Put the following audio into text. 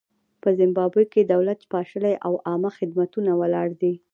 په زیمبابوې کې دولت پاشلی او عامه خدمتونه ولاړ دي.